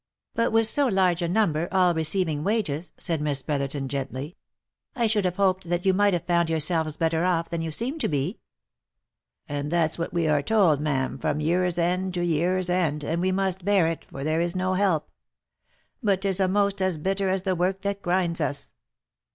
" But with so large a number, all receiving wages," said Miss Bro therton, gently, " I should have hoped that you might have found yourselves better off than you seem to be." " And that's what we are told, ma'am, from year's end to year's end, and we must bear it, for there is no help. But 'tis a'most as bitter as the work that grinds us."